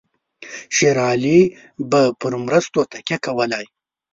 شېر علي به پر مرستو تکیه کولای.